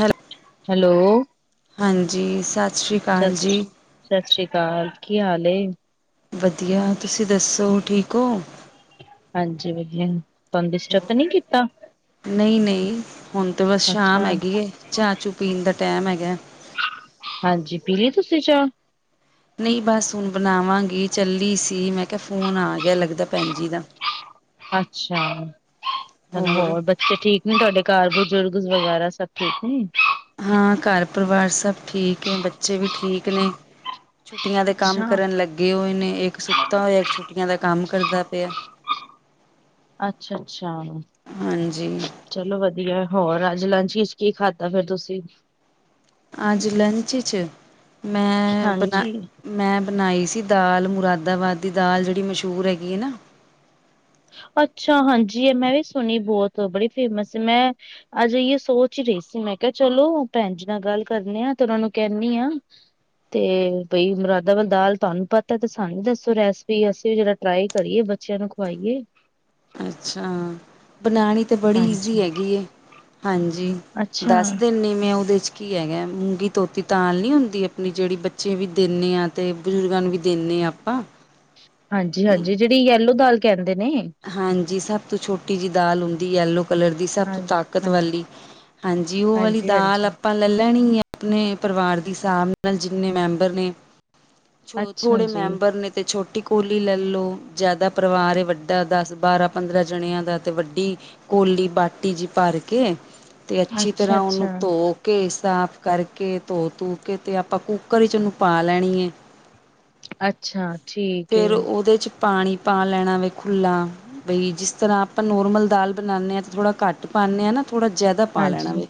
Hello hello ਜੀ ਸਤਿ ਸ਼੍ਰੀ ਅਕਾਲ ਜੀ ਕਾਲ ਕੀ ਹਾਲ ਵਧੀਆ ਤੁਸੀਂ ਦੱਸੋ ਠੀਕ ਹੋ ਹਾਂਜੀ ਵਆ ਤੁਹੂੰ ਡਿਸਟਰਬ ਤਾਂ ਨਹੀਂੀ ਕੀਤਾ ਨਹੀਂ ਨਹੀਂ ਹੁਣ ਤੇ ਬਸ ਸ਼ਾਮ ਅੱਛਾ, ਹੈਗੀ ਚਾਹ ਚੂ ਪੀਣ ਦਾ ਟਾਈਮ ਹੈਗਾ ਹਾਂਜੀ, ਪੀਲੀ ਤੁਸੀਂ ਚਾ? ਨਹੀਂ, ਬਸ ਹੁਣ ਬਣਾਵਾਂਗੀ। ਚੱਲੀ ਸੀ ਮੈਂ। ਫ਼ੋਨ ਆ ਗਯਾ ਲੱਗਦਾ ਭੈਣ ਜੀ ਦਾ। ਅੱਛਾ, ਚਲੋ ਹੋਰ ਬੱਚੇ ਠੀਕ ਨੇ ਤੁਹਾਡੇ? ਕਾਰ ਬਜ਼ੁਰਗ ਵਗੈਰਾ ਸਭ ਠੀਕ ਨੇ? ਹਾਂ ਘਰ ਪਰਿਵਾਰ ਸਭ ਠੀਕ ਹੈ ਬੱਚੇ ਵੀ ਠੀਕ ਨੇ ਛੁੱਟੀਆਂ ਦੇ ਕੰਮ ਅੱਛਾ। ਕਰਨ ਲੱਗੇ ਹੋਏ ਨੇ ਇੱਕ ਸੁੱਤਾ ਹੋਇਆ ਇੱਕ ਛੁੱਟੀਆਂ ਦਾ ਕੰਮ ਕਰਦਾ ਤੇ ਅੱਛਾ ਅੱਛਾ ਹਾਂਜੀ ਚਲੋ ਵਧੀਆ ਹੋਰ ਅੱਜ ਲੰਚ ਵਿੱਚ ਕੀ ਖਾਧਾ ਫੇਿਰ ਤੁਸੀਂ ਅੱਜ ਲੰਚ 'ਚ ਮੈਂ ਬਣਾ ਹਾਂਜੀ, ਮੈਂ ਬਣਾਈ ਸੀ ਦੀ ਦਾਲ ਮੁਰਾਦਾਬਾਦ ਦੀ ਦਾਲ ਜਿਹੜੀ ਮਸ਼ਹੂਰ ਹੈਗੀ ਹੈ ਨਾ ਅੱਛਾ ਹਾਂਜੀ ਮੈਂ ਵੀ ਸੁਣੀ ਬਹੁਤ ਬੜੀ ਫੇਮਸ ਸੀ ਮੈਂ ਅਜਿਹੀ ਸੋਚ ਹੀ ਰੇਸੀ ਮੈਂ ਕਿਹਾ ਚਲੋ ਭੈਣ ਜੀ ਨਾਲ ਗੱਲ ਕਰਨੀ ਆ ਤੇ ਉਹਨਾਂ ਨੂੰ ਕਹਿਿੰਦੀ ਹ ਤੇ ਬਈ ਮੁਰਾਦਾ ਵੱਲ ਦਾਲ ਤੁਹਾਨੂੰ ਪਤਾ ਤੇ ਸਾਨੂੰ ਦੱਸੋ ਰੈਸਪੀ ਅਸੀਂ ਜਿਹੜਾ ਟਰਾਈ ਕਰੀਏ ਬੱਚਿਆਂ ਨੂੰ ਖਵਾਈਏ ਅੱਛਾ ਬਣਾਉਣੀ ਤਾਂ ਬੜੀ ਈਜ਼ੀ ਹਾਂਜੀ। ਹੈਗੀ ਹਾਂਜੀ ਅੱਛਾ ਦਸ ਦਿਨ ਨੇ ਮੈਂ ਉਹਦੇ 'ਚ ਕੀ ਹੈਗਾ ਮੂੰਗੀ ਤੋਤੀ ਤਾਲ ਨੀ ਹੁੰਦੀ ਆਪਣੀ ਜਿਹੜੀ ਬੱਚੇ ਵੀ ਦਿੰਦੇ ਆਾਂ ਤੇ ਬਜ਼ੁਰਗਾਂ ਨੂੰ ਵੀ ਦਿੰਦੇ ਨਹੀਂ ਆਪਾਂ ਹਾਂਜੀ ਹਾਂਜੀ ਜਿਹੜੀ ਯਲੋ ਦਾਲ ਕਹਿਣ ਹਾਂਜੀ ਸਭ ਤੋਂ ਛੋਟੀ ਜਿਹੀ ਦਾਲ ਹੁੰਦੀ ਹੈ ਲੋਕ ਕਲਰ ਦੀ ਸਭ ਹਾਂ ਤੋਂ ਤਾਕਤ ਹਾਂ ਵਾਲੀ ਹਾਂਜੀ ਉਹ ਵਾਲੀ ਦਾਲ ਹਾਂਜੀ-ਹਾਂਜੀ ਆਪਾਂ ਲੈ ਲੈਣੀ ਆ ਆਪਣੇ ਪਰਿਵਾਰ ਦੀ ਹਿਸਾਬ ਨਾਲ ਜਿੰਨੇ ਮੈਂਬਰ ਨੇ ਛ ਅੱਛਾ ਥੋੜ੍ਹੇ ਜੀ ਮੈਂਬਰ ਨੇ ਤੇ ਛੋਟੀ ਕੋਲੀ ਲੈ ਲਓ ਜ਼ਿਆਦਾ ਪਰਿਵਾਰ ਏ ਵੱਡੇ ਦਸ ਬਾਰਾਂ ਪੰਦਰਾਂ ਜਣਿਆਂ ਦਾ ਤੇ ਵੱਡੀ ਕੋਲੀ ਬਾਟੀ ਜੀ ਭਰ ਕੇ ਤੇ ਅੱਛੀ ਤਰ੍ਹਾਂ ਅੱਛਾ-ਅੱਛਾ ਉਹਨੂੰ ਧੋ ਕੇ ਸਾਫ ਕਰਕੇ ਧੋ ਧੂ ਕੇ ਅਤੇ ਆਪਾਂ ਕੁੂੱਕਰ ਵਿੱਚ ਉਹਨੂੰ ਪਾ ਲੈਣੀ ਹੈ ਅੱਛਾ ਠੀਕ ਹੈ ਫਿਰ ਉਹਦੇ 'ਚ ਪਾਣੀ ਪਾ ਲੈਣਾ ਵੇਖ ਖੁੱਲਾ ਬਈ ਜਿਸ ਤਰ੍ਹਾਂ ਆਪਾਂ ਨੋਰਮਲ ਦਾਲ ਬਣਾਉਂਦੇ ਹਾਂ ਤਾਂ ਥੋੜ੍ਹਾ ਘੱਟ ਪਾਉਂਦੇ ਹਾਂ ਨਾ ਥੋੜ੍ਹਾ ਜ਼ਿਆਦਾ ਪਾ ਹਾਂਜੀ ਲੈਣਾ ਫਿਰ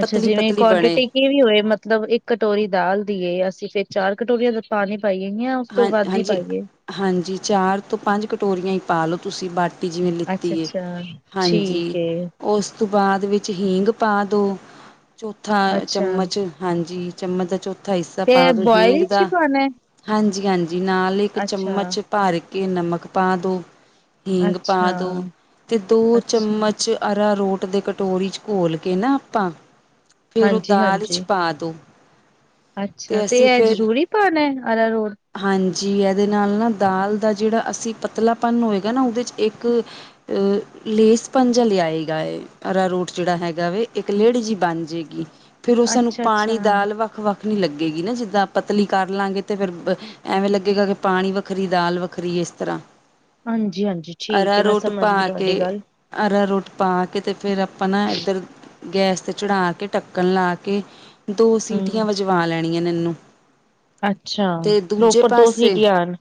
ਅੱਛਾ ਜਿਵੇਂ ਕੁਆਂਟਿਟੀ ਕਿ ਵੀ ਹੋਏ ਮਤਲਬ ਇੱਕ ਕਟੋਰੀ ਦਾਲ ਦੀ ਏ ਅਸੀਂ ਫਿਰ ਚਾਰ ਕਟੋਰੀਆਂ ਦਾ ਪਾਣੀ ਪਾਈਏ ਜਾਂ ਉਸ ਤੋਂ ਹਾਂ। ਵੱਧ ਹੀ ਹਾਂਜੀ ਪਾਈਏ ਹਾਂਜੀ ਚਾਰ ਤੋਂ ਪੰਜ ਕਟੋਰੀਆਂ ਹੀ ਪਾ ਲਓ ਤੁਸੀਂ ਬਾਟ ਜਿਵੇਂ ਲਿੱਤੀ ਹੈ। ਅੱਛਾ-ਅੱਛਾ ਹਾਂਜੀ ਠੀਕ ਏ ਉਸ ਉਸ ਤੋਂ ਬਾਅਦ ਵਿੱਚ ਹੀਂਗ ਪਾ ਦਿਉ ਚੌਥਾ ਅੱਛਾ ਚਮਚ ਹਾਂਜੀ। ਚਮਚ ਦਾ ਚੌਥਾ ਹਿੱਸਾ ਤੇ ਪਾ ਦੋ ਹੀਂਗ ਬੋਇਲ ਚ ਹੀ ਦਾ ਪਾਣਾ ਹਾਂਜੀ-ਹਾਂਜੀ ਨਾਲ ਇੱਕ ਅੱਛਾ ਚਮਚ ਭਰ ਕੇ ਨਮਕ ਪਾ ਦੋ ਹਿੰਗ ਪਾ ਅੱਛਾ, ਦੋ ਤੇ ਦੋ ਅੱਛਾ ਚਮਚ ਆਰਾਰੋਟ ਦੇ ਕਟੋਰੀ ਚ ਘੋਲ ਕੇ ਨਾ ਆਪਾਂ ਫੇਰ ਉਹ ਦਾਲ ਚ ਹਾਂਜੀ-ਹਾਂਜੀ। ਪਾ ਦੋ ਅੱਛਾ। ਤੇ ਇਹ ਜ਼ਰੂਰੀ ਪਾਨਾ ਹੈ ਆਰਾ ਹਾਂਜੀ ਜੀ ਇਹਦੇ ਨਾਲ ਨਾ ਦਾਲ ਦਾ ਜਿਹੜਾ ਅਸੀਂ ਪਤਲਾਪਨ ਹੋਏਗਾ ਨਾ ਉਹਦੇ 'ਚ ਇੱਕ ਲੇਸ ਪੰਜਾ ਲਿਆਏਗਾ ਅ ਰੂਟ ਜਿਹੜਾ ਹੈਗਾ ਵੇ ਇੱਕ ਲੇਹੜ ਜਿਹੀ ਬਣ ਜਾਏਗੀ। ਫੇਰ ਉਹ ਸਾਨੂੰ ਅੱਛਾ-ਅੱਛਾ। ਪਾਣੀ ਦਾਲ ਵੱਖ ਵੱਖ ਨਹੀਂ ਲੱਗੇਗੀ ਨਾ ਜਿੱਦਾਂ ਪਤਲੀ ਕਰ ਲਾਂਗੇ ਤੇ ਫਿਰ ਐਵੇਂ ਲੱਗੇਗਾ ਕਿ ਪਾਣੀ ਵੱਖਰੀ ਦਾਲ ਵੱਖਰੀ ਇਸ ਤਰ੍ਹਾਂ ਹਾਂਜੀ ਹਾਂਜੀ ਠੀਕ ਹੈ ਮੈਂ ਸਮਝ ਗਈ ਤੁਹਾਡੀ ਗੱਲ ਆਰਾਰੋਟ ਪਾ ਕੇ ਤੇ ਫੇਰ ਆਪਾਂ ਨਾ ਇੱਧਰ ਗੈਸ ਤੇ ਚੜਾ ਕੇ ਢੱਕਣ ਲਾ ਕੇ ਦੋ ਹੂੰ ਸੀਟੀਆਂ ਵਜਵਾ ਲੈਣੀਆਂ ਇਹੈਨੂੰ ਅੱਛਾ। ਅਤੇ ਦੂਜੇ ਪ੍ਰੋਪਰ ਦੋ ਪਾਸੇ ਸੀਟੀਆਂ ਆਣ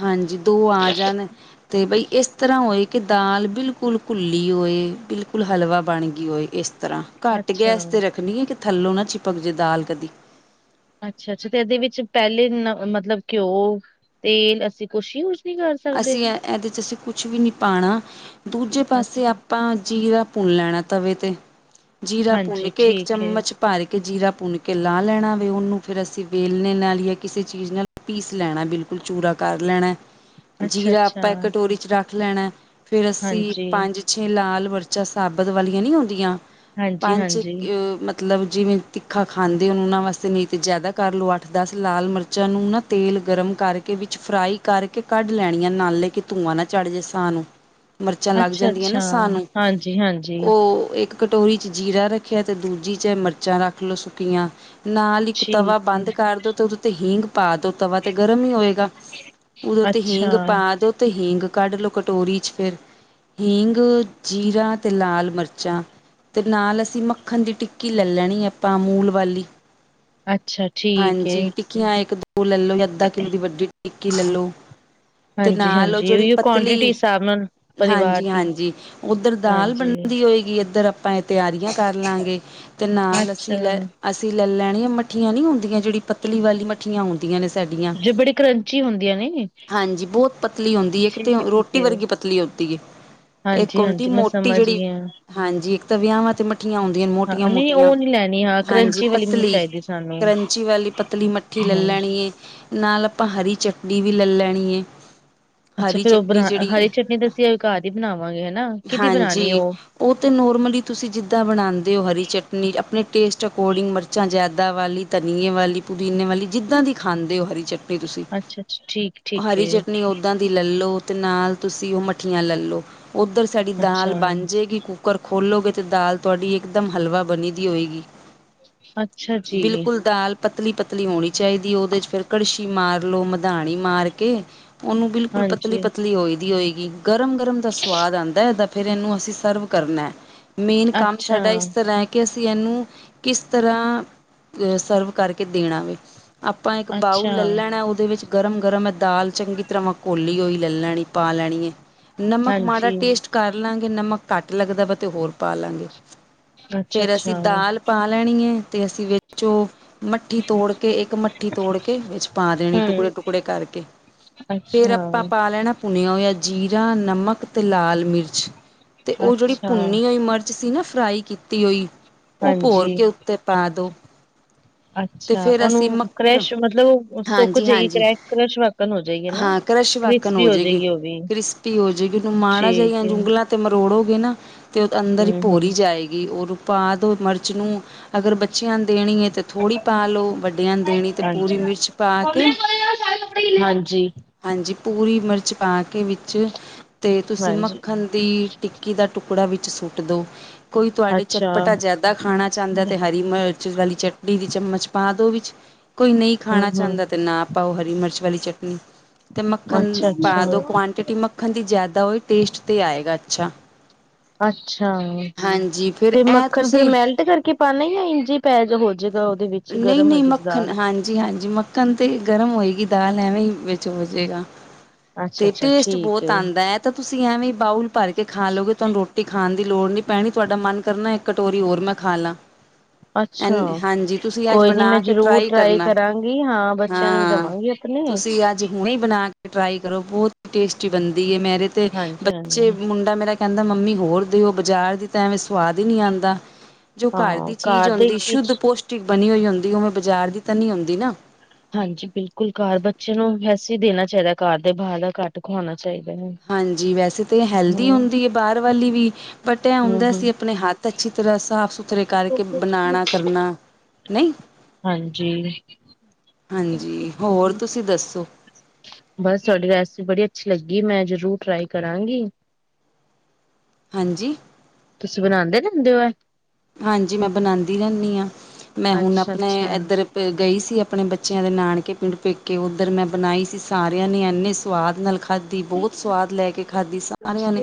ਹਾਂਜੀ ਦੋ ਆ ਜਾਣ ਅਤੇ ਬਈ ਇਸ ਤਰ੍ਹਾਂ ਹੋਏ ਕਿ ਦਾਲ ਬਿਲਕੁਲ ਘੁੱਲੀ ਹੋਏ ਬਿਲਕੁਲ ਹਲਵਾ ਬਣ ਗਈ ਹੋਏ ਇਸ ਤਰ੍ਹਾਂ ਘੱਟ ਅੱਛਾ। ਗੈਸ ਤੇ ਰੱਖਣੀ ਹੈ ਕਿ ਥੱਲੋਂ ਨਾ ਚਿਪਕ ਜੇ ਦਾਲ ਕਦੀ ਅੱਛਾ ਅੱਛਾ ਤੇ ਇਹਦੇ ਵਿੱਚ ਪਹਿਲੇ ਮਤਲਬ ਘਿਓ ਤੇਲ ਅਸੀਂ ਕੁਛ ਯੂ ਅਸੀਂ ਇਹਦੇ ਚ ਅਸੀਂ ਕੁਛ ਵੀ ਨੀ ਪਾਉਣਾ। ਦੂਜੇ ਪਾਸੇ ਅੱਛਾ ਆਪਾਂ ਜੀਰਾ ਭੁੰਨ ਲੈਣਾ ਤਵੇ ਤੇ ਜੀਰਾ ਭੁੰਨ ਹਾਂਜੀ ਕੇ ਇੱਕ ਠੀਕ ਏ। ਚਮਚ ਭਰ ਕਿ ਜੀਰਾ ਭੁੰਨ ਕੇ ਲਾ ਲੈਣਾ ਵੇ ਉਹਨੂੰ ਫਿਰ ਅਸੀਂ ਵੇਲਨੇ ਨਾਲ ਜਾਂ ਕਿਸੇ ਚੀਜ਼ ਨਾਲ ਪੀਸ ਲੈਣਾ ਬਿਲਕੁਲ ਫੁ ਚੂਰਾ ਕਰ ਲੈਣਾ। ਜੀਰਾ ਅੱਛਾ-ਅੱਛਾ ਆਪਾਂ ਕਟੋਰੀ 'ਚ ਰੱਖ ਲੈਣਾ। ਫਿਰ ਅਸੀਂ ਹਾਂਜੀ, ਪੰਜ ਛੇ ਲਾਲ ਮਰਚਾ ਸਾਬਤ ਵਾਲੀਆਂ ਨਹੀਂ ਹੁੰਦੀਆਂ ਪੰਚ ਹਾਂਜੀ-ਹਾਂਜੀ। ਮ ਮਤਲਬ ਜਿਵੇਂ ਤਿੱਖਾ ਖਾਂਦੇ ਹੋ ਉਹਨਾਂ ਵਾਸਤੇ ਨਹੀਂ ਤਾਂ ਜ਼ਿਆਦਾ ਕਰ ਲਓ ਅੱਠ ਦਸ ਲਾਲ ਮਿਰਚਾਂ ਨੂੰ ਨਾ ਤੇਲ ਗਰਮ ਕਰਕੇ ਵਿੱਚ ਫਰਾਈ ਕਰਕੇ ਕੱਢ ਲੈਣੀਆਂ ਨਾਲੇ ਕਿ ਧੂੰਆਂ ਨਾ ਚੜ ਜੇ ਸਾਹ ਨੂੰ ਮਿਰਚਾਂ ਲੱਗ ਜਾਂਦੀਆਂ ਅੱਛਾ-ਅੱਛਾ, ਨਾ ਸਾਹ ਨੂੰ, ਹਾਂਜੀ-ਹਾਂਜੀ ਉਹ ਇੱਕ ਕਟੋਰੀ ਚ ਜੀਰਾ ਰੱਖਿਆ ਤੇ ਦੂਜੀ ਚ ਮਿਰਚਾਂ ਰੱਖ ਲੋਓ ਸੁੱਕੀਆਂ। ਨਾਲ ਇੱਕ ਤਵਾ ਠੀਕ ਏ ਬੰਦ ਕਰ ਦੋ ਤੇ ਉਹਦੇ ਉਤੇ ਹੀਂਗ ਪਾ ਦੋ ਤਵਾ ਤੇ ਗਰਮ ਹੀ ਹੋਵੇਗਾ। ਉਦੋਂ ਤੇ ਹੀਂਗ ਅੱਛਾ। ਪਾ ਦੋ ਤੇ ਹੀਂਗ ਕੱਢ ਲੋੋ ਕਟੋਰੀ ਚ ਫਿਰ ਹੀਂਗ ਜੀਰਾ ਤੇ ਲਾਲ ਮਿਰਚਾਂ। ਤੇ ਨਾਲ ਅਸੀਂ ਮੱਖਣ ਦੀ ਟਿੱਕੀ ਲੈ ਲੈਣੀ ਆਪਾਂ ਅਮੂਲ ਵਾਲੀ ਅੱਛਾ ਠੀਕ ਹਾਂਜੀ। ਏ, ਟਿੱਕੀਆਂ ਇੱਕ ਦੋ ਲੈ ਲੋ ਅੱਧਾ ਕਿੱਲੋ ਦੀ ਵੱਡੀ ਟਿੱਕੀ ਲੈਲੋ। ਤੇ ਨਾਲ ਉਹ ਹਾਂਜੀ-ਹਾਂਜੀ ਜਿਹੜੀ ਉਹੀਓ ਕੁਆਂਟਿਟੀ ਪਤਲੀ, ਹਿਸਾਬ ਨਾਲ ਪਰਿਵਾਰ ਦੀ ਹਾਂਜੀ-ਹਾਂਜੀ ਉੱਧਰ ਦਾਲ ਬਣ ਹਾਂਜੀ, ਦੀ ਹੋਏਗੀ ਇੱਧਰ ਆਪਾਂ ਇਹ ਤਿਆਰੀਆਂ ਕਰ ਲਾਂਗੇ ਤੇ ਨਾਲ ਅੱਛਾ ਅਸੀਂ ਲੈ ਅਸੀਂ ਲੈ ਲੈਣਿਆ ਮਠੀਆਂ ਨੀ ਹੁੰਦੀਆਂ ਜਿਹੜੀ ਪਤਲੀ ਵਾਲੀ ਮੱਠੀਆਂ ਆੁਉਦੀਆਂ। ਜੇ ਬੜੀ ਕਰੰਚੀ ਹੁੰਦੀਆਂ ਨੇ ਹਾਂਜੀ ਬਹੁਤ ਪਤਲੀ ਹੁੰਦੀ ਹੈ ਕੀਤੇ ਠੀਕ ਏ, ਠੀਕ ਰੋਟੀ ਏ। ਵਰਗੀ ਪਤਲੀ ਹੁੰਦੀ ਹੈ। ਇੱਕ ਹੁੰਦੀ ਹਾਂਜੀ-ਹਾਂਜੀ ਮੈਂ ਮੋਟੀ ਸਮਝ ਜਿਹੜੀ ਗਈ ਆ, ਹਾਂਜੀ। ਇੱਕ ਤਾਂ ਵਿਆਹਾਂ ਤੇ ਮੱਠੀਆਂ ਆਉਂਦੀਆਂ ਮੋਟੀਆਂ ਹਾਂ ਨਈ ਮੋਟੀਆਂ ਉਹ ਨੀ ਲੈਣੀ ਹਾਂ ਹਾਂਜੀ ਕਰੰਚੀ ਵਾਲੀ ਪਤਲੀ। ਚਾਈਦੀ ਸਾਨੂੰ ਪੰਛੀ ਵਾਲੀ ਪਤਲੀ ਮੱਠੀ ਲੇ ਹਾਂ, ਲੈਣੀ ਐ। ਨਾਲ ਆਪਾਂ ਹਰੀ ਚਟਨੀ ਵੀ ਲੈ ਲੈਣੀ ਹੈ। ਅੱਛਾ ਫਿਰ ਉਹ ਬਣਾ ਹਰੀ ਚਟਨੀ ਤਾਂ ਅਸੀਂ ਘਰ ਹੀ ਬਣਾਵਾਂਗੇ ਹਨਾ ਕਿਹਦੀ ਬਣਾਉਣੀ ਉਹ ਅਤੇ ਨੋਰਮਲੀ ਤੁਸੀਂ ਜਿੱਦਾਂ ਬਣਾਉਂਦੇ ਹੋ ਹਰੀ ਚਟਨੀ ਆਪਣੇ‍ ਟੇਸਟ ਅਕੋਰਡਿੰਗ ਮਿਰਚਾਂ ਜ਼ਿਆਦਾ ਵਾਲੀ ਧਨੀਏ, ਵਾਲੀ ਪੁਦੀਨੇ ਵਾਲੀ ਜਿੱਦਾਂ ਦੀ ਖਾਂਦੇ ਹੋ ਹਰੀ ਚੱਟ ਅੱਛਾ! ਅੱਛਾ! ਠੀਕ ਠੀਕ। ਹਰੀ ਏ ਚਟਨੀ ਓਦਾਂ ਦੀ ਲੈ ਲਓ ਤੇ ਨਾਲ ਤੁਸੀਂ ਉਹ ਮੱਠੀਆਂ ਲੈ ਲੋ। ਉੱਧਰ ਸਾਡੀ ਅੱਛਾ, ਦਾਲ ਬਣ ਜੇਗੀ ਕੁੱਕਰ ਖੋਲੋਗੇ ਅਤੇ ਦਾਲ ਤੁਹਾਡੀ ਇਕਦਮ ਹਲਵਾ ਬਣੀ ਦੀ ਹੋਏਗੀ। ਅੱਛਾ ਜੀ। ਬਿਲਕੁਲ ਦਾਲ। ਪਤਲੀ ਪਤਲੀ ਹੋਣੀ ਚਾਹੀਦੀ ਉਹਦੇ ਚ ਫਿਰ ਕੜਸ਼ੀ ਮਾਰ ਲੋੋ ਮਧਾਣੀ ਮਾਰ ਕੇ ਉਹਨੂੰ ਬਿਲਕੁਲ ਪਤਲੀ ਹਾਂਜੀ, ਪਤਲੀ ਹੋਏਗੀ ਹੋਏਗੀ ਗਰਮ ਗਰਮ ਦਾ ਸਵਾਦ ਆਉਂਦਾ ਫਿਰ ਇਹਨੂੰ ਅਸੀਂ ਸਰਵ ਕਰਨਾ ਮੇਨ ਕੰਮ ਅੱਛਾ, ਸਾਡਾ ਇਸ ਤਰ੍ਹਾਂ ਹੈ ਕਿ ਅਸੀ ਇਹਨੂੰ ਕਿਸ ਤਰ੍ਹਾਂ ਸਰਵ ਕਰਕੇ ਦੇਣਾ ਵੇ। ਆਪਾਂ ਇੱਕ ਬਾਊਲ ਅੱਛਾ ਲੈ ਲੈਣਾ ਉਹਦੇ ਵਿੱਚ ਗਰਮ ਗਰਮ ਚੰਗੀ ਤਰ੍ਹਾਂ ਕੋਲੀ ਹੋਈ ਲੈ ਲੈਣੀ ਪਾ ਲੈਣੀ ਹੈ। ਨਮਕ ਮਾੜਾ ਹਾਂਜੀ, ਟੇਸਟ ਕਰ ਲਾਂਗੇ ਨਮਕ ਘੱਟ ਲੱਗਦਾ ਵਾ ਤੇ ਹੋਰ ਪਾ ਲਾਂਗੇ। ਫੇਰ ਅਸੀਂ ਅੱਛਾ-ਅੱਛਾ ਦਾਲ ਪਾ ਲੈਣੀ ਹੈ ਤੇ ਅਸੀਂ ਵਿੱਚੋ ਮੱਠੀ ਤੋੜ ਕੇ ਇੱਕ ਮੱਠੀ ਤੋੜ ਕੇ ਵਿੱਚ ਪਾ ਦੇਣੀ ਹੂੰ। ਟੁਕੜੇ ਟੁਕੜੇ ਕਰਕੇ। ਫੇਰ ਆਪਾਂ ਅੱਛਾ, ਪਾ ਲੈਣਾ ਪੁਣਿਆ ਜੀਰਾ, ਨਮਕ ਤੇ ਲਾਲ ਮਿਰਚ ਤੇ ਉਹ ਜਿਹੜੀ ਅੱਛਾ, ਭੁੰਨੀ ਹੋਈ ਮਿਰਚ ਸੀ ਨਾ ਫਰਾਈ ਕੀਤੀ ਹੋਈ ਉਹ ਭੋਰ ਹਾਂਜੀ। ਕੇ ਉੱਤੇ ਪਾ ਦੋ। ਤੇ ਅੱਛਾ ਫੇਰ ਅਸੀਂ ਉਹਨੂੰ ਮੱਕ ਕਰੈਸ਼ ਮਤਲਬ ਸੁੱਕ ਹਾਂਜੀ ਜਾਏਗੀ ਹਾਂਜੀ ਕਰੈਸ਼ ਕਰੈਸ਼ ਵਾਕ ਨੂੰ ਹਾਂ ਕਰ੍ਰਸ਼ ਵਾਕਣ ਹੋ ਜਾਏਗੀ ਵੀ ਕ੍ਰਿਸਪੀ ਹੋ ਜਾਏਗੀ। ਉਹਨੂੰ ਮਾੜਾ ਜਿਹੀ ਠੀਕ ਹੈ, ਜਉਗਲਾਂ ਤੇ ਮਰ ਤੋੜੋਗੇ ਨਾ ਤੇ ਉਹ ਅੰਦਰ ਹੀ ਹੂੰ ਹੂੰ ਭੋਰੀ ਜਾਏਗੀ ਉਹਨੂੰ ਪਾਦੋ ਮਿਰਚ ਨੂੰ ਅਗਰ ਬੱਚਿਆਂ ਨੂੰ ਦੇਣੀ ਹੈ ਤਾਂ ਥੋੜ੍ਹੀ ਪਾ ਲਓ ਵੱਡਿਆਂ ਨੂੰ ਦੇਣੀ ਤਾਂ ਪੂਰੀ ਹਾਂਜੀ। ਮਿਰਚ ਪਾ ਕੇ ਹਾਂਜੀ। ਹਾਂਜੀ ਪੂਰੀ ਮਿਰਚ ਪਾ ਕੇ ਵਿੱਚ ਅਤੇ ਤੁਸੀਂ ਹਾਂਜੀ ਮੱਖਣ ਦੀ ਟਿੱਕੀ ਦਾ ਟੁਕੜਾ ਟੁਕੜਾ ਵਿੱਚ ਸੁੱਟ ਦੋ ਕੋਈ ਤੁਹਾਡੇ ਅੱਛਾ। ਚਟਪਟਾ ਜਿਆਦਾ ਖਾਣਾ ਚਾਹੁੰਦਾ ਤੇ ਹਰੀ ਮਿਰਚ ਵਾਲੀ ਚਟਨੀ ਦੀ ਚਮਚ ਪਾ ਦਿਓ ਵਿੱਚ ਕੋਈ ਨਹੀਂ ਹੂੰ ਖਾਣਾ ਹੂੰ, ਚਾਹੁੰਦਾ ਤੇ ਨਾ ਪਾਓ ਹਰੀ ਮਿਰਚ ਵਾਲੀ ਚਟਨੀ ਅਤੇ ਮੱਖਣ ਅੱਛਾ ਪਾ ਦਿਉ ਅੱਛਾ। ਕੁਆਂਟਿਟੀ ਮੱਖਣ ਦੀ ਜ਼ਿਆਦਾ ਹੋਵੇ ਟੇਸਟ 'ਤੇ ਆਏਗਾ। ਅੱਛਾ। ਅੱਛਾ ਹਾਂਜੀ ਫਿਰ ਤੇ ਇਹ ਮੱਖਣ ਫੇਿਰ ਤੁਸੀਂ ਮੈਲਟ ਕਰਕੇ ਪਾਉਣਾ ਹੀ ਆ ਇੰਝ ਪੈ ਜਾ ਹੋ ਜੇ ਨਹੀਂ ਨਹੀਂ ਮੱਖਣ ਹਾਂਜੀ ਹਾਂਜੀ ਮੱਖਣ ਤੇ ਗਰਮ ਹੋਏਗੀ ਦਾਲ ਐਵੇਂ ਹੀ ਵਿੱਚ ਹੋ ਜਾੇਗਾ ਅੱਛਾ ਤੇ ਅੱਛਾ, ਟੇਸਟ ਠੀਕ ਬਹੁਤ ਆਉਂਦਾ ਹੈ ਤਾਂ ਤੁਸੀਂ ਐਵੇਂ ਬਾਊਲ ਭਰ ਕੇ ਖਾ ਲਓਗੇ ਤੁਹਾਨੂੰ ਰੋਟੀ ਖਾਣ ਦੇ ਦੀ ਲੋੜ ਨਹੀਂੀ ਪੈਣੀ ਤੁਹਾਡਾ ਮਨ ਕਰਨਾ ਇੱਕ ਕਟੋਰੀ ਹੋਰ ਮੈਂ ਖਾ ਲਾ ਅੱਛਾ ਕੋਈ ਨੀ ਮੈਂ ਬਣਾ ਕੇ ਜ਼ਰੂਰ ਟਰਾਈ ਕਰਨਾ ਕਰਾਂਗੀ ਹਾਂ ਬੱਚਿਆਂ ਨੂੰ ਵੀ ਹਾਂ ਦੇਵਾਂਗੀ ਆਪਣੇ ਟ੍ਰਈ ਕਰੋ ਬਹੁਤ ਹੀ ਟੇਸਟੀ ਬਣਦੀ ਹੈ ਮੇਰੇ ਤੇ ਹਾਂਜੀ ਬੱਚੇ ਹਾਂਜੀ ਮੁੰਡਾ ਮੇਰਾ ਕਹਿੰਦਾ ਮੰਮੀ ਹੋਰ ਦਿਓ ਬਜ਼ਾਰ ਦੀ ਤਾਂ ਐਵੇਂ ਸਵਾਦ ਹੀ ਨਹੀਂ ਆਉਂਦਾ ਜੋ ਘਰ ਹਾਂ ਦੀ ਚੀਜ਼ ਦੇ ਆਉਂਦੀ ਸ਼ੁੱਧ ਚੀਜ਼ ਪੋਸ਼ਟਿਕ ਬਣੀ ਹੋਈ ਹੁੰਦੀ ਉਵੇਂ ਬਾਜ਼ਾਰ ਦੀ ਤਾਂ ਨਹੀਂ ਆਉਂਦੀ ਨਾ ਹਾਂਜੀ ਬਿਲਕੁਲ ਕਾਰ ਬੱਚੇ ਨੂੰ ਵੈਸੇ ਹੀ ਦੇਣਾ ਚਾਹੀਦਾ ਕਾਰ ਦੇ ਬਾਹਰ ਦਾ ਘੱਟ ਖਵਾਉਣਾ ਚਾਹੀਦਾ ਹੈ ਹਾਂਜੀ ਵੈਸੇ ਤਾਂ ਹੈਲਦੀ ਹਮ ਹੁੰਦੀ ਹੈ ਬਾਹਰ ਵਾਲੀ ਵੀ ਬਟ ਇਹ ਹਮ ਹੁੰਦਾ ਸੀ ਹਮ ਆਪਣੇ ਹੱਥ ਅੱਛੀ ਤਰ੍ਹਾਂ ਸਾਫ ਸੁਥਰੇ ਕਰਕੇ ਬਣਾਉਣਾ ਕਰਨਾ ਨਹੀਂ ਹਾਂਜੀ ਹਾਂਜੀ ਹੋਰ ਤੁਸੀਂ ਦੱਸੋ ਬਸ ਤੂਹਾਡੀ ਰਿਸੀਪ ਬੜੀ ਅੱਛੀ ਲੱਗੀ ਗ ਮੈਂ ਜਰੂਰ ਟਰਾਈ ਕਰਾਂਗੀ ਹਾਂਜੀ ਤੁਸੀਂ ਬਣਾਉਂਦੇ ਰਹਿੰਦੇ ਹੋ ਐ ਹਾਂਜੀ ਮੈਂ ਬਣਾਉਂਦੀ ਰਹਿੰਦੀ ਹਾਂ ਮੈਂ ਹੁਣ ਅੱਛਾ ਆਪਣੇ ਅੱਛਾ ਇਧਰ ਗਈ ਸੀ ਆਪਣੇ ਬੱਚਿਆਂ ਦੇ ਨਾਨਕੇ ਪਿੰਡ ਪੇਕੇ ਉੱਧਰ ਮੈਂ ਬਣਾਈ ਸੀ ਸਾਰਿਆਂ ਨੇ ਇੰਨੇ ਸਵਾਦ ਨਾਲ ਖਾ ਖਾਧੀ ਬਹੁਤ ਸਵਾਦ ਲੈ ਕੇ ਖਾਧੀ ਸਾਰਿਆਂ ਨੇ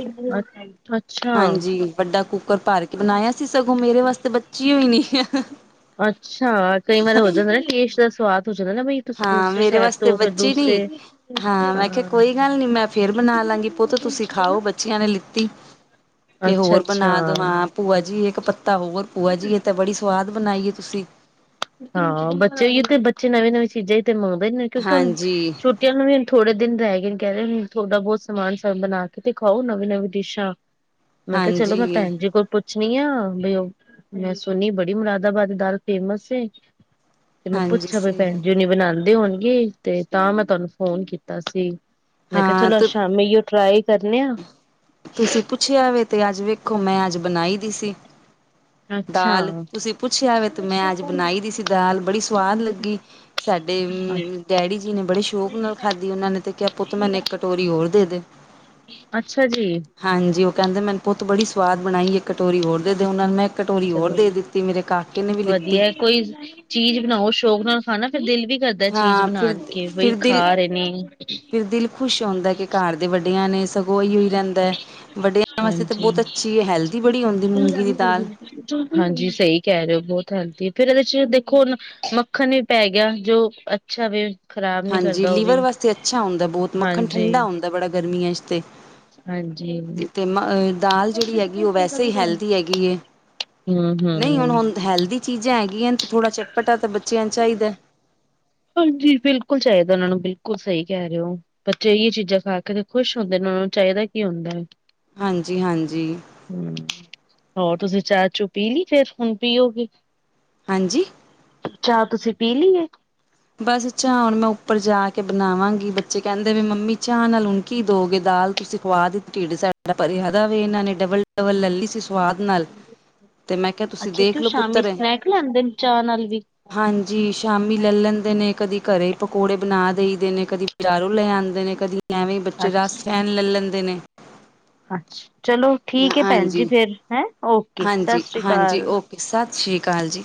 ਅੱਛਾ ਹਾਂਜੀ ਵੱਡਾ ਕੁੱਕਰ ਭਾਰ ਕੇ ਬਣਾਇਆ ਸੀ ਸਗੋਂ ਮੇਰੇ ਵਾਸਤੇ ਬੱਚੀ ਹੋਈ ਨ ਹੈ ਅੱਛਾ ਕਈ ਵਾਰੀ ਹੋ ਜਾਂਦਾ ਟੈਸਟ ਦਾ ਸਵਾਦ ਸੋਚਦਾ ਨਾ ਬਈ ਤੁਸੀਂ ਹਾਂ ਦੂਸਰੇ ਮੇਰੇ ਸ਼ਹਿਰ ਵਾਸਤੇ ਤੋਂ ਫਿਰ ਬੱਚੀ ਨੀ ਦੂਸਰੇ ਹਾਂ ਮੈਂ ਕਿਹਾ ਕੋਈ ਅ ਗੱਲ ਨੀ ਮੈਂ ਫੇਰ ਬਣਾ ਲਾਂਗੀ ਪੁੱਤ ਤੁਸੀਂ ਖਾਓ ਬੱਚਿਆਂ ਨੇ ਲਿੱਤੀ ਕਿ ਹੋਰ ਅੱਛਾ-ਅੱਛਾ ਬਣਾ ਦੋ ਹਾਂ ਭੂਆ ਜੀ ਇੱਕ ਤਾਂ ਹੋਰ ਭੂਆ ਜੀਏ ਤਾਂ ਬੜੀ ਸਵਾਦ ਬਣਾਈਏ ਤੁਸੀਂ ਹਾਂ ਬੱਚੇ ਹੀ ਤੇ ਬੱਚੇ ਨਵੇਂ-ਨਵੇਂ ਚੀਜ਼ਾਂ ਹੀ ਤੇ ਮੰਗਦੇ ਨੇ ਕਿਉਂਕ ਹੁਣ ਹਾਂਜੀ, ਛੁੱਟੀਆਂ ਨੂੰ ਵੀ ਥੋੜੇ ਦਿਨ ਰਹਿ ਗਏ ਕਹਿ ਰਹੇ ਥੋੜ੍ਹਾ ਬਹੁਤ ਸਮਾਨ ਸਮਾਨ ਬਣਾ ਕੇ ਤੇ ਖਾਓ ਨਵੀਂ ਨਵੀਂ ਡਿਸ਼ਾਂ ਮੈਂ ਕਿਹਾ ਚਲੋ ਮੈਂ ਹਾਂਜੀ, ਭੈਣ ਜੀ ਕੋਲ ਪੁੱਛ ਛ ਆ ਬ ਉਹ ਮੈਂ ਸੁਣੀ ਬੜੀ ਮੁਰਾਦਾਬਾਦੀ ਦਾਲ ਫੇਮਸ ਤੇ ਮੈਂ ਹਾਂਜੀ ਪੁੱਛਿਆ ਵੀ ਸਹੀ ਭੈਣ ਗੱਲ ਜੀ ਏ। ਉਹਨ ਬਣਾਉਂਦੇ ਹੋਣੀ ਤੇ ਤਾਂ ਮੈਂ ਤੁਹਾਨੂੰ ਫੋਨ ਕੀਤਾ ਸੀ ਮੈਂ ਕਿਹਾ ਹਾਂ ਚਲੋ ਤ ਸ਼ਾਮੀ ਉਹ ਟਰਾਈ ਕਰਨੇ ਆ ਤੁਸੀਂ ਪੁੱਛਿਆ ਵ ਤੇ ਅੱਜ ਵੇਖੋ ਮੈਂ ਅੱਜ ਬਣਾਈ ਦੀ ਸੀ ਦਾਲ ਅੱਛਾ ਤੁਸੀਂ ਪੁੱਛਿਆ ਵ ਤੇ ਮੈਂ ਅੱਜ ਬਣਾਈ ਦੀ ਸੀ ਦਾਲ ਬੜੀ ਸਵਾਦ ਲੱਗੀ ਸਾਡੇ ਡੈਡੀ ਜੀ ਨੇ ਬੜੇ ਸ਼ੋਕ ਨਾਲ ਖਾਧੀ ਉਹਨਾਂ ਨੇ ਤੇ ਕਿਹਾ ਪੁੱਤ ਮੈਨੂੰ ਇੱਕ ਕਟੋਰੀ ਹੋਰ ਦੇ ਦੇ ਅੱਛਾ ਜੀ ਜੀ ਉਹ ਕਹਿੰਦੇ ਮੈਨ ਪੁੱਤ ਬੜੀ ਸਵਾਦ ਬਣਾਈ ਕਟੋਰੀ ਹੋਰ ਦੇ ਦੇ ਉਹਨਾਂ ਨੇ ਮੈਂ ਕਟੋਰੀ ਹੋਰ ਚਲੋ ਦੇ ਦਿੱਤੀ ਮੇਰੇ ਕਾਕੇ ਨੇ ਵੀ ਲਿੱਤੀ ਉਹ ਸ਼ੌਕ ਨਾਲ ਖਾਣਾ ਫਿਰ ਦਿਲ ਵੀ ਕਰਦਾ ਚੀਜ਼ ਹਾਂ ਬਣਾ ਫਿਰ ਕੇ ਬਈ ਫਿਰ ਦਿਲ ਖਾ ਰਹੇ ਨੇ ਫਿਰ ਦਿਲ ਖੁਸ਼ ਹੁੰਦਾ ਕਿ ਘਰ ਦੇ ਵੱਡਿਆਂ ਨੇ ਸਗੋਂ ਇਹੀਓ ਹੀ ਰਹਿੰਦਾ ਹੈ ਵੱਡਿਆਂ ਵਾਸਤੇ ਤਾਂ ਹਾਂਜੀ ਬਹੁਤ ਅੱਛੀ ਹੈ, ਹੈਲਦੀ ਬੜੀ ਹੁੰਦੀ ਮੂੰਗੀ ਦੀ ਦਾਲ ਹਾਂਜੀ ਸਹੀ ਕਹਿ ਰਹੇ ਹੋ ਬਹੁਤ ਹਾਂਜੀ ਫੇਿਰ ਇਹਦੇ ਚ ਦੇਖੋ ਹੁਣ ਮੱਖਣ ਵੀ ਪੈ ਗਿਆ ਜੋ ਅੱਛਾ ਵ ਹਾਂਜੀ ਲੀਵਰ ਵਾਸਤੇ ਅੱਛਾ ਹੁੰਦਾ ਬਹੁਤ ਮੱਖਣ ਹਾਂਜੀ ਠੰਢਾ ਹੁੰਦਾ ਬੜਾ ਗਰਮੀਆਂ ਇਸਤੇ ਹਾਂਜੀ ਤੇ ਮ ਦਾਲ ਜਿਹੜੀ ਹੈਗੀ ਉਹ ਵੈਸੇ ਹੀ ਹੈਲਦੀ ਹੈਗੀ ਹਮ ਨਹੀਂ ਹੁਣ ਹਮ ਹੁਣ ਹੈਲਦੀ ਚੀਜ਼ਾਂ ਹੈਗੀਆਂ ਤੇ ਥੋੜਾ ਚੱਪਟਾ ਤਾਂ ਬੱਚਿਆਂ ਨੂੰ ਚਾਹੀਦਾ ਹਾਂਜੀ ਬਿਲਕੁਲ ਚਾਹੀਦਾ ਉਹਨਾਂ ਨੂੰ ਬਿਲਕੁਲ ਸਹੀ ਕਹਿ ਰਹੇ ਹੋ ਬੱਚੇਹੀ ਚੀਜ਼ਾਂ ਖਾ ਕੇ ਖੁਸ਼ ਹੁੰਦੇ ਨੇ ਚਾਹੀਦਾ ਕੀ ਹੁੰਦਾ ਹਾਂਜੀ ਹਾਂਜੀ ਹਮ ਹੋਰ ਤੁਸੀਂ ਚਾਹ ਚੂ ਪੀ ਲਈ ਫੇਰ ਹੁਣ ਪੀਓਗੇ? ਹਾਂਜੀ ਚਾਹ ਤੁਸੀਂ ਪੀ ਲਈਏ? ਬਸ ਚਾਹ ਹੁਣ ਮੈਂ ਉੱਪਰ ਜਾ ਕੇ ਬਣਾਵਾਂਗੀ ਬੱਚੇ ਕਹਿੰਦੇ ਵੀ ਮੰਮੀ ਚਾਹ ਨਾਲ ਹੁਣ ਕੀ ਦੋਗੇ? ਤੁਸੀਂ ਖਵਾ ਦਿੱ ਢਡ ਸਾਡਾ ਪਰਦਾ ਵੇ ਇਹਨਾਂ ਨੇ ਡਬਲ ਡਵਲ ਲ਼ੇਲਿ ਸੀ ਸੁਵਾਦ ਨਾਲ ਤੇ ਮੈਂ ਕਿਹਾ ਤੁਸੀਂ ਅੱਛਾ ਕਿਉਂ ਦੇਖ ਲਓ ਸ਼ਾਮੀ ਪੁੱਤਰ ਸਨੈਕ ਲੈਂਦੇ ਨੇ ਚਾਹ ਨਾਲ ਵੀ? ਹਾਂਜੀ ਸ਼ਾਮੀ ਲੈ ਲੈਂਦੇ ਨੇ ਕਦੀ ਘਰੇ ਪਕੌੜੇ ਬਣਾ ਦੇਈਦੇ ਨੇ ਕਦੀ ਬਜ਼ਾਰੋਂ ਲੈ ਆਉਂਦੇ ਨੇ ਕਦੀ ਐਵੇਂ ਬੱਚੇ ਰਸ ਫੈਨ ਲੈ ਲੈਂਦੇ ਨੇ। ਅੱਛ ਚਲੋ ਠੀਕ ਹੈ ਭੈਣ ਜੀ ਹਾਂਜੀ ਫਿਰ ਹੈਂ, ਓਕੇ ਸਤਿ ਸ੍ਰੀ ਅਕਾਲ। ਸ੍ਰੀ ਅਕਾਲ ਜੀ।